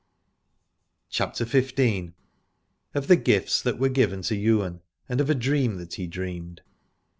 87 CHAPTER XV. OF THE GIFTS THAT WERE GIVEN TO YWAIN AND OF A DREAM THAT HE DREAMED.